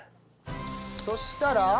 そしたら？